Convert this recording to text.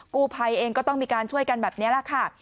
กู้ภัยเองก็ต้องมีการช่วยกันแบบนี้แหละค่ะ